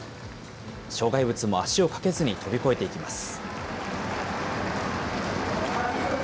障害物も足をかけずに飛び越えていきます。